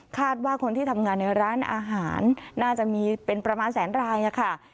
ว่าคนที่ทำงานในร้านอาหารน่าจะมีเป็นประมาณแสนรายค่ะ